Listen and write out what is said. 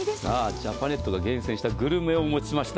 ジャパネットが厳選したグルメをお持ちしました。